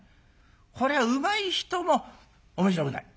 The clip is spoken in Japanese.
これはうまい人も面白くない。